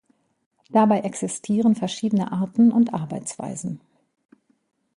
Dabei existieren verschiedene Arten und Arbeitsweisen.